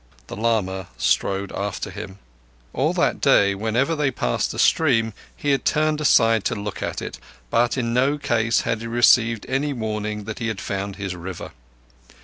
The lama strode after him. All that day, whenever they passed a stream, he had turned aside to look at it, but in no case had he received any warning that he had found his River.